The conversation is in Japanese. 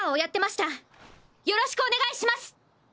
よろしくお願いします！